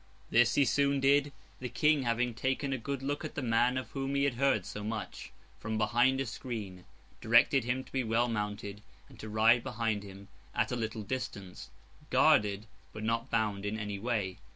This he soon did; the King having taken a good look at the man of whom he had heard so much—from behind a screen—directed him to be well mounted, and to ride behind him at a little distance, guarded, but not bound in any way.